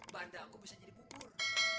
bandar aku bisa jadi kubur